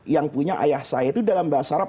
yang punya ayah saya itu dalam bahasa arab